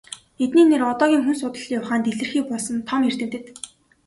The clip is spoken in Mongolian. Эдний нэр одоогийн хүн судлалын ухаанд илэрхий болсон том эрдэмтэд.